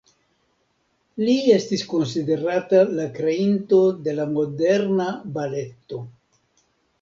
Li estis konsiderata la kreinto de la moderna baleto.